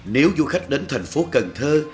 nếu du khách đến thành phố cần thơ